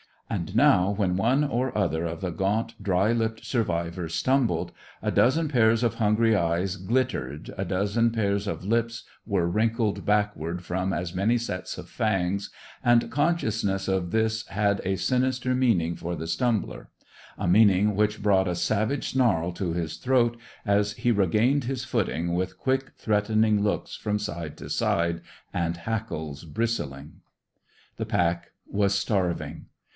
And, now, when one or other of the gaunt, dry lipped survivors stumbled a dozen pairs of hungry eyes glittered, a dozen pairs of lips were wrinkled backward from as many sets of fangs, and consciousness of this had a sinister meaning for the stumbler; a meaning which brought a savage snarl to his throat as he regained his footing with quick, threatening looks from side to side and hackles bristling. The pack was starving.